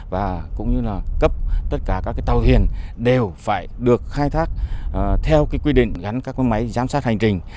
và cũng như là cấp tất cả các tàu thuyền đều phải được khai thác theo quy định gắn các máy giám sát hành trình